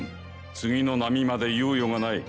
次の波まで猶予がない。